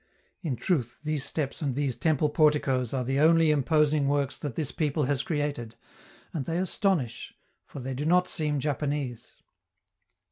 In truth, these steps and these temple porticoes are the only imposing works that this people has created, and they astonish, for they do not seem Japanese.